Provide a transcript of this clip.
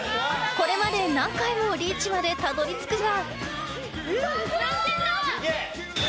これまで何回もリーチまでたどり着くが。